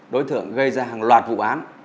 đối tượng gây ra hàng loạt vụ án